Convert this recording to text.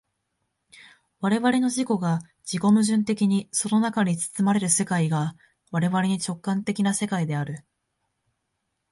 我々の自己が自己矛盾的にその中に包まれる世界が我々に直観的な世界である。